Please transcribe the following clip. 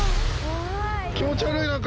気持ち悪い、なんか。